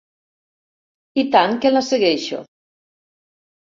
I tant que la segueixo!